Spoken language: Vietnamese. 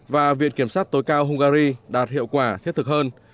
và viện kiểm sát tối cao hungary đạt hiệu quả thiết thực hơn